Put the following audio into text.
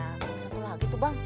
cuma satu lagi tuh bang